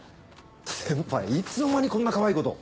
先輩いつの間にこんなかわいい子と。